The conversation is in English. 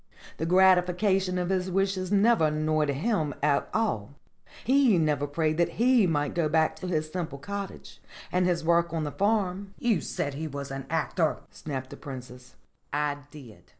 The gratification of his wishes never annoyed him at 296 STORIES WITHOUT TEARS all. He never prayed that he might go back again to his simple cottage and his work on the farm." "You said he was an actor," snapped the Princess. "I did.